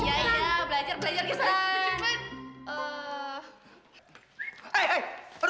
iya iya belajar belajar bisa cepet